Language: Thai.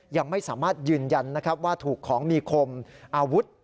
ยังไม่สามารถยืนยันนะครับว่าถูกของมีคมอาวุธ